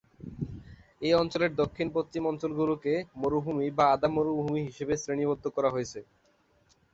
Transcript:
এই অঞ্চলের দক্ষিণ-পশ্চিম অঞ্চলগুলিকে মরুভূমি বা আধা-মরুভূমি হিসাবে শ্রেণীবদ্ধ করা হয়েছে।